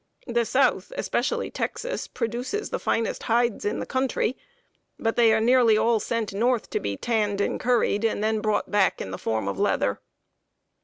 The South, especially Texas, produces the finest hides in the country; but they are nearly all sent north, to be tanned and curried, and then brought back in the form of leather."